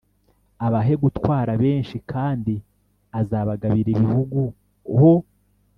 abahe gutwara benshi kandi azabagabira igihugu ho